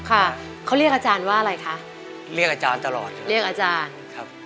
ค่ะเขาเรียกอาจารย์ว่าอะไรคะเรียกอาจารย์ตลอดเรียกอาจารย์ครับ